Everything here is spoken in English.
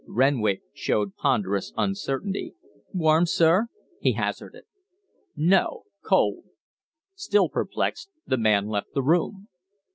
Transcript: Renwick showed ponderous uncertainty. "Warm, sir?" he hazarded. "No. Cold." Still perplexed, the man left the room.